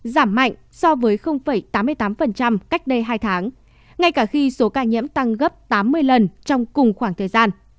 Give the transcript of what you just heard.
giảm mạnh so với tám mươi tám cách đây hai tháng ngay cả khi số ca nhiễm tăng gấp tám mươi lần trong cùng khoảng thời gian